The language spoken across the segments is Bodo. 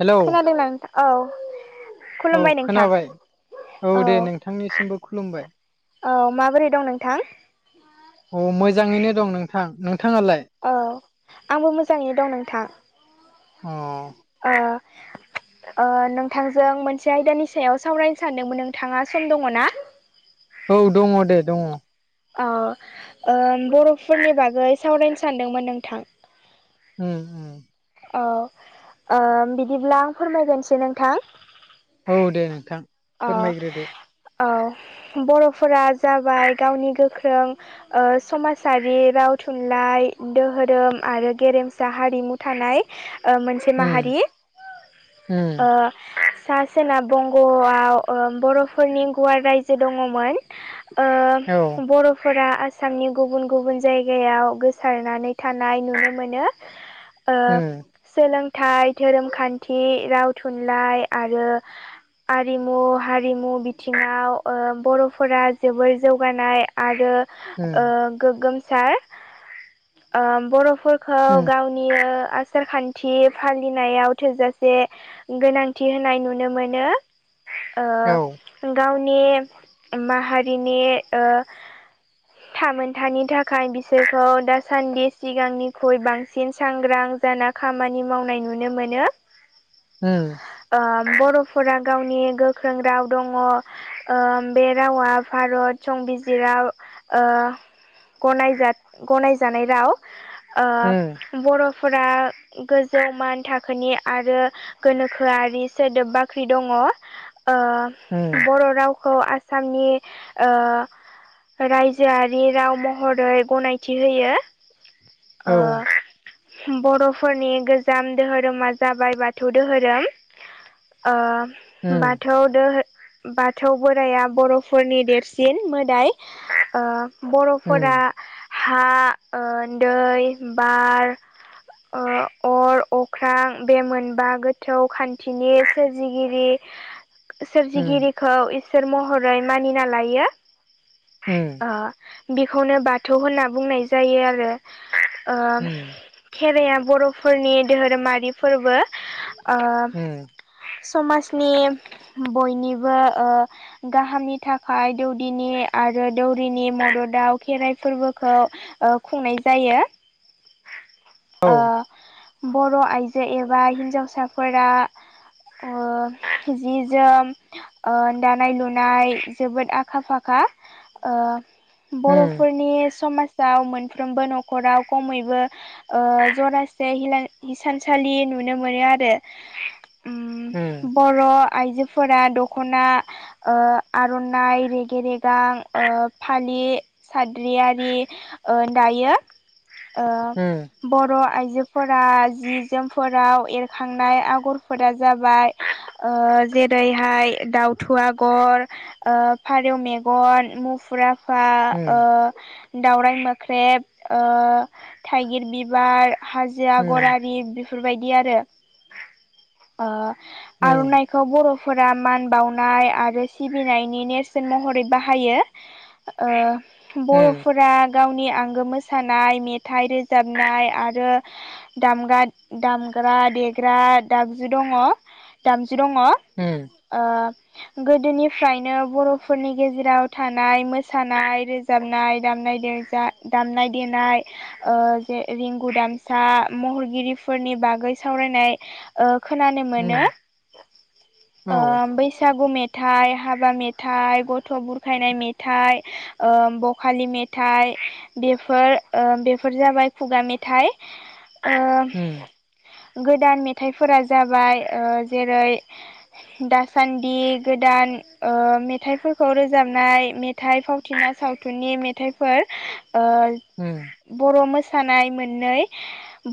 हेलौ खोनादों नोंथां औ औ खुलुमबाय नोंथां खोनाबाय औ दे नोंथांनिसिमबो खुलुमबाय औ माबोरै दं नोंथां अ मोजांङैनो दं नोंथां नोंथांङालाय औ आंबो मोजाङै दं नोंथां। अ ओ ओ नोंथांजों मोनसे आयदानि सायाव सावरायनो सानदोंमोन नोंथाङा सम दङ ना। औ दङ दे दङ। औ ओ बर'फोरनि बागै सावरायनो सानदोंमोन नोंथां। उम उम। अ ओम बिदिब्ला फोरमायगोरसै नोंथां। औ दे नोंथां। अ फोरमायग्रोदो औ बर'फोरा जाबाय गावनि गोख्रों। ओ समाजारि राव थुनलाइ दोहोरोम आरो गेरेमसा हारिमु थानाय। ओ मोनसे उम माहारि उम ओ सा सोनाब बंग'आ। आव ओ बर'फोरनि गुवार रायजो दङमोन औ ओ बर'फोरा। सामनि गुबुन गुबुन जायगायाव गोसारनानै थानाय नुनो मोनो। ओ उम सोलोंथाइ धोरोमखान्थि राव थुनलाइ आरो। हारिमु हारिमु बिथिङाव ओ बर'फोरा जोबै जौगानाय। आरो ओ उम गोगोमसार ओ बर'फोरखौ उम गाव। नियो आसार खान्थि फालिनायाव थोजासे। गोनांथि होनाय नुनो मोनो। औ ओ गावनि माहारिनिओ। थामोनथानि थाखाय बिसोरखौ दासान्दि सिगांनिख्रुइ बांसिन सांग्रां जाना। खामानि मावनाय नुनो मोनो उम ओ बर'फोरा। गावनि गोख्रों राव दङ। ओ बे रावा भारत संबिजिरावओ। गनायजा गनायजानाय राव ओ। उम बर'फोरा गोजौ मान थाखोनि आरो। गोनोखोआरि सोदोब बाख्रि दङ ओ उम बर' राव। खौ आसामनि ओ। रायजोआरि राव महरै गनायथि होयो औ ओ। बर'फोरनि गोजाम दोहोरोमा जाबाय बाथौ दोहोरोम। ओ उम बाथौ दोहो। बाथौ बोराइया बर'फोरनि देरसिन मोदाय ओ। बर'फोरा उम हा ओ दै बार। ओ अर अख्रां बे मोनबा गोथौ खान्थिनि सोरजि। गिरि उम सोरजिगिरिखौ इसोर महरै मानिना लायो। उम। ओ बिखौनो बाथौ होनना बुंनाय जायो आरो ओ। उम खेराइया बर'फोरनि धोहोरोमारि फोरबो ओ। उम। समाजनि बयनिबो ओ। गाहामनि थाखाय दौदिनि आरो दौरिनि मददआव खेराइ फोरबोखौ। ओ खुंनाय जायो। औ ओ उम बर' आइजो एबा हिन्जावसाफोरा। ओ जि जोम। ओ दानाय लुनाय जोबोद आखा-फाखा ओ। उम बर'फोरनि समाजाव मोनफ्रोमबो न'खराव खमैबो। ओ जरासे हिला हिसानसालि नुनो मोनो आरो। उम बर' आइजोफोरा दख'ना। आर'नाइ रेगे रेगां फालि साद्रियारि दायो ओ बर' आइजोफोरा जि जोमफोराव एरखांनाय आगर फोरा जाबाय जेरैहाय दाउथु आगर फारौ मेगन मुफुराफा ओ उम दावराइ मोख्रेब ओ थाइगिर बिबार हाज [unintelligible] आगर आरि बेफोरबायदि आरो ओ उम आरनाइ खौ बर'फोरा मान बावनाय आरो सिबिनायनि नेरसोन महरै बाहायो ओ बर'फोरा गावनि आंगो मोसानाय मेथाइ रोजाबनाय आरो दामग्रा दामग्रा देग्रा दाबजु दङ दामजु दङ उ ओ गोदोनिफ्रायनो बर'फोरनि गेजेराव थानाय मोसानाय रोज रोजाबनाय दामनाय देग्रा दामनाय देनाय ओ जे रिंगु दामसा महरगिरिफोरनि बागै सावरायनाय ओ खोनानो उम मोनो औ ओ बैसागु मेथ थाइ हाबा मेथाइ, गथ' बुरखायनाय मेथाइ ओ बखालि मेथाइ बेफोर ओ बेफोर जाबाय खुगा मेथाइ उम ओ गोदान मेथाइफोरा जाबाय ओ जेरै दासान्दि गोदान ओ मेथाइफोरखौ रोजाबनाय मेथ थाइ फावथिना सावथुननि मेथाइफोर ओ [inaudible] बर' मोसानाय मोननै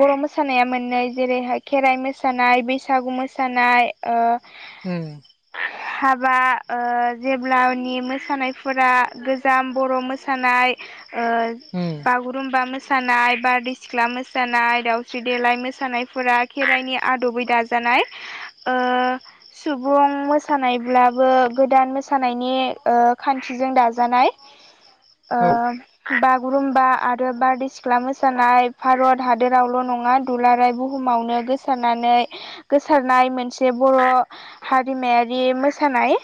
बर' मोसानाया मोननै जेरैहाय खेराइ मोस मोसानाय बैसागु मोसानाय ओ हम [inaudible] हाबा ओ जेब्लानि मोसानायफोरा गोजाम बर' मोसानाय ओ उ बागुरुमबा मोसानाय बारदै सिख्ला मोसानाय दावस्रि देलाय मोसानायफोरा खेराइनि आदबै दाजानाय ओ सुबुं मोसानायब्लाबो गोदान मोसानायनि ओ खान्थिजों दाजानाय ओ औ बागुरुम्बा आरो बारदै सिख्ला मोसानाय भारत हादोरावल' नङा दुलाराय बुहुमावनो गोस गोसारनानै गोसारनाय मोनसे बर' हारिमायारि मोसानाय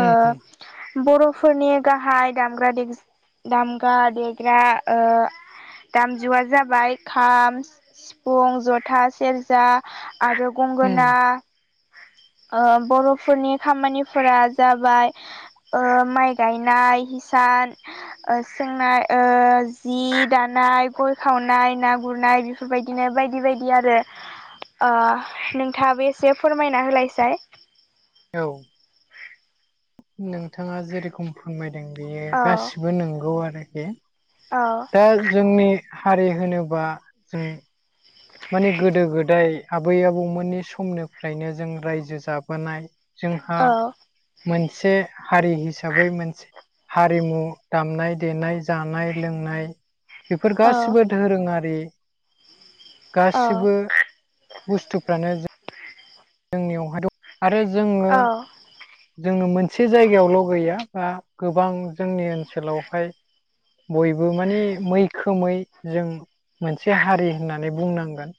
ओ बर' फोरनि गाहाय दामग्रा दे दामग्रा देग्रा ओ दामजुआ जाबाय खाम सिफुं जथास सेरजा आरो उम गंगोना ओ बर'फोरनि खामानिफोरा जाबाय ओ माइ गायनाय हिसान ओ सोंनाय ओ जि दानाय गय खावनाय ना गुरनाय बिफ बिफोरबायदिनो बायदि बायदि आरो ओ नोंथाङाबो एसे फोरमायना होलायसाय औ नोंथाङा जेरखम फोरमायदों बेयो औ गासिबो नंगौआनो एखे अ दा जोंनि हारि होनोबा जों माने गोदो गोदाय आबै आबौमोननि समनिफ्रायनो जों रायजो जाबोनाय। जोंहा औ मोनसे हारि हिसाबै मोनसे हारिमु दामनाय देनाय जानाय लोंनाय बेफोर गासिबो धोरोङारि औ गासिबो बुस्थुफ्रानो जों जोंनियावहा दं आरो जोङो औ जोङो मोनसे जायगायावल' गैया बा गोबां जोंनि ओनसोलावहाय बयबो माने मैखोमै जों मोनसे हारि होननानै बुंनांगोन।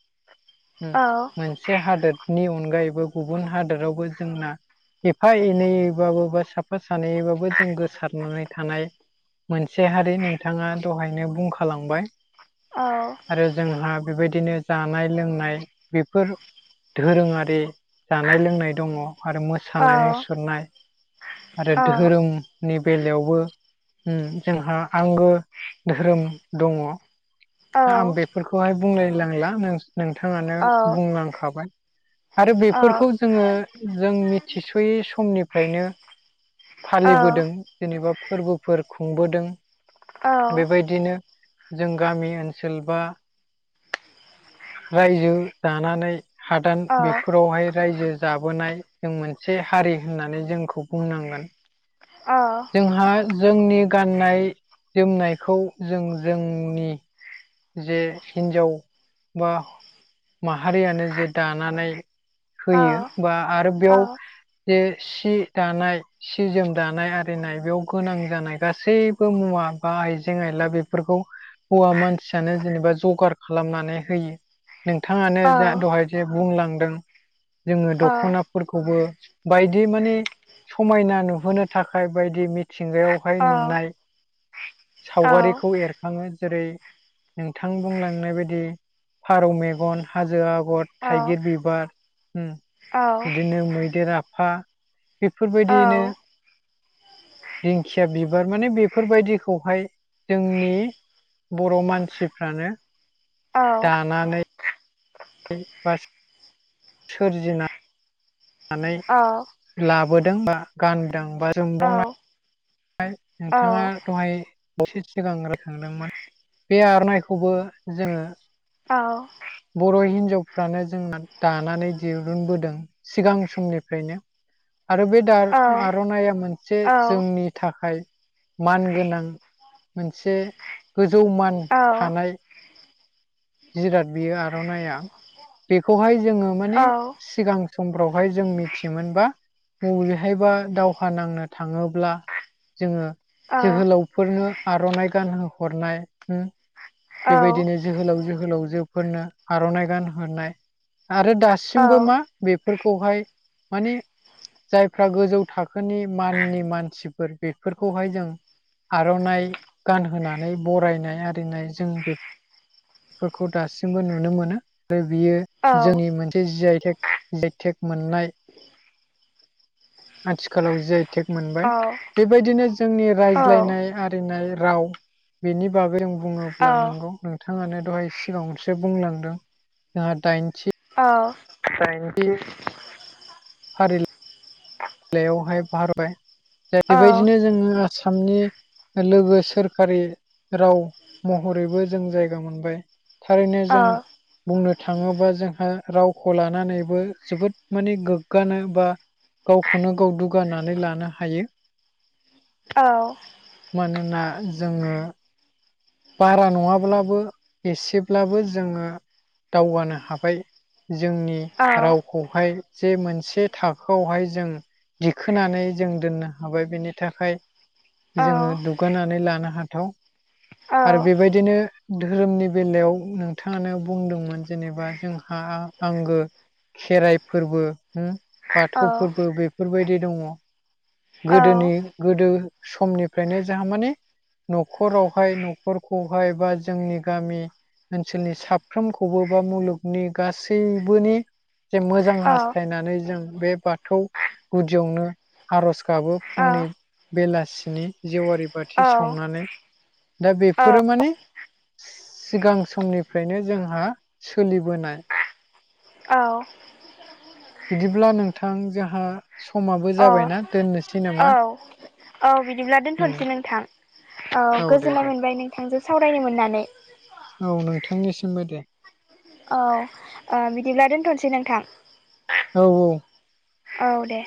उम औ मोनसे हादोदनि अनगायैबो गुबुन हादोरावबो जोंना एफा एनैैबाबो बा साफा सानैबाबो जों गोसारनानै थानाय मोनसे हारि नोंथाङा दहायनो बुंखालांबाय। साइन्टिस्ट आरो जोंहा बेबायदिनो जानाय लोंनाय बेफोर धोरोङारि जानाय लोंनाय दङ आरो औ मोसानाय मुसुरनाय आरो औ धोरोम नि बेलायावबो उम जोंहा आंगो धोरोम दङ। दा आं औ बेफोरखौहाय बुंलाय लांला नो-नोंथाङानो बुंलांखाबाय। आरो बेफोरखौ जोङो जों मिथिस'यै समनिफ्रायनो फालिबोदों। जेनेबा फोरबोफोर खुंबोदों बेबायदिनो जों गामि ओन सोल बा रायजो दानानै हादान बेफोरावहाय रायजो जाबोनाय जों मोनसे हारि होननानै जोंखौ बुंनांगोन। अ। जोंहा जोंनि गाननाय जोमनायखौ जों जोंनि जे हिन्जाव बा माहारियानो जे दानानै होयो बा आरो बेयाव जे सि दानाय सि जोम दानाय आरिनाय बेयाव गोनां जानाय गासैबो मुवा बा आइजें आयला बेफोरखौ हौवा मानसियानो जेनेबा जगार खालामनानै होयो नोंथाङानो जा दहाय जे बुंलांदों जोङो दख'ना फोरखौबो बायदि माने समायना नुहोनो थाखाय बायदि मिथिंगायाव हाय औ नुनाय सावगारिखौ एरखाङो जेरै नोंथां बुंलांनाय बायदि फारौ मेगन हाजो आगत थाइगिर बिबार बिदिनो उम इदिनो मैदेर आफा बेफोरबायदियैनो दिंखिया बिबार माने बेफोरबायदिखौहाय जोंनि बर' मानसिफ्रानो दानानै बा सोरजिना नानै अ। लाबोदों बा गानदों बा जोमब्रावनाय [unintelligible] नोंथाङा दहाय एसे सिगां रायखांदोंमोन बे आरनायखौबो जोङो औ। बर' हिन्जावफ्रानो जोंना दानानै दिरुनबोदों। सिगां समनिफ्रायनो आरो बे दारनाय आर'नाइआ मोनसे जोंनि थाखाय मान गोनां मोनसे गोजौ मान थानाय जिराद बियो आर'नायआ बेखौहाय जोङो माने सिगां समफ्रावहाय जों मिथियोमोनबा बबेहायबा दावहा नांनो थाङोब्ला जोङो जोहोलावफोरनो आर'नाइ गानहो हरनाय ओम बेबायदिनो जोहोलाव जोहोलावजोफोरनो आर'नाइ गान हरनाय आरो दा सिमबो मा बेफोरखौहाय माने जायफ्रा गोजौ थाखोनि माननि मानसिफोर बेफोरखौहाय जों आर'नाइ गानहोनानै बरायनाय आरिनाय जों बे फोरखौ दासिमबो नुनो मोनो आरो बियो जोंनि मोनसे जि आइ थेक थेक मोननाय [inaudible] आथिखालाव जि आइ टेक मोनबाय। बेबायदिनो जोंनि रायज्लायनाय आरिनाय राव बेनि बागै आं बुङोब्ला नोंगौ नोंथाङानो दहाय सिगाङावसो बुंलांदों। दा दाइनथि औ दाइनथि फारिला यावहाय बारबाय दा बेबायदिनो जोङो आसामनि लोगो सोरखारि राव महरैबो जों जायगा मोनबाय। थारैनो जों बुंनो थाङोबा जोंहा रावखौ लानानैबो जोबोद माने गोग्गानो बा गावखौनो गाव दुगानानै लानो हायो। औ मानोना जोङो बारा नङाब्लाबो एसेब्लाबो जोङो दावगानो हाबाय। जोंनि रावखौहाय जे मोनसे थाखोआवहाय जों दिखोनानै जों दोननो हाबाय बिनि थाखाय जोङो दुगानानै लानो हाथाव आरो बेबायदिनो धोरोमनि बेलायाव नोंथाङानो बुंदोंमोन जेनेबा जोंहा आंगो खेराय फोरबो होम बाथौ फोरबो बेफोरबायदि दङ। औ औ गोदोनि गोदो समनिफ्रायनो जोंहा माने न'खराव हाय न'खरखौहाय बा जोंनि गामि ओनसोलनि साफ्रोमखौबो बा मुलुगनि गासैबोनि जे मोजां औ हास्थायनानै जों बे बाथौ गुदियावनो आर'ज गाबो फुंनि बेलासिनि जेवारि औ बाथि सावनानै दा औ बेफोरो माने सिगां समनिफ्रायनो जोंहा सोलिबोनाय औ बिदिब्ला नोंथां जोंहा समाबो जाबायना दोननोसै नामा? औ बिदिब्ला उम दोनथ'नोसै नोंथां औ औ दे गोजोननाय दे मोनबाय नोंथांजों सावरायनो मोननानै। औ नोंथांनिसिमबो दे औ ओ बिदिब्ला दोनथ'नोसै नोंथां। औ औ औ दे